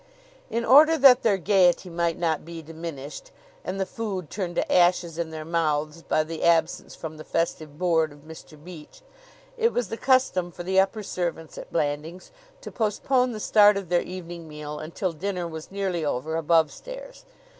In order that their gayety might not be diminished and the food turned to ashes in their mouths by the absence from the festive board of Mr. Beach, it was the custom for the upper servants at Blandings to postpone the start of their evening meal until dinner was nearly over above stairs.